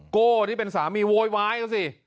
โก้ที่เป็นสามีโวยวายนะสิ